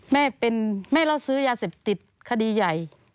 แม่เราซื้อยาเซ็บติดคดีใหญ่